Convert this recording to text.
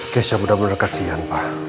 keisha benar benar kasihan